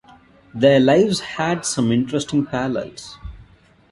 Their lives had some interesting parallels.